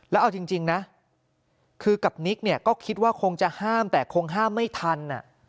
แล้วเอาจริงนะคือกับนิกเนี่ยก็คิดว่าคงจะห้ามแต่คงห้ามไม่ทัน